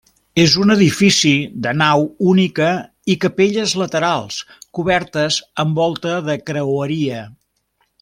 És un edifici de nau única i capelles laterals cobertes amb volta de creueria.